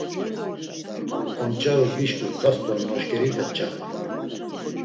Onç̌aru gişkurt̆as do noşǩerite nç̌ari!